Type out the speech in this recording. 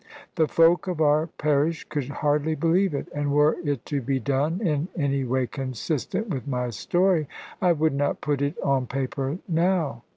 The folk of our parish could hardly believe it; and were it to be done in any way consistent with my story, I would not put it on paper now.